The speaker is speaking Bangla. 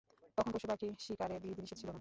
তখন পশুপাখি শিকারে বিধিনিষেধ ছিল না।